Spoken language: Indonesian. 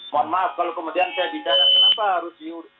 mohon maaf kalau kemudian saya bicara kenapa harus